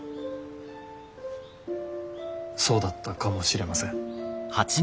そうだったかもしれません。